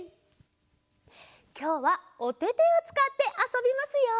きょうはおててをつかってあそびますよ！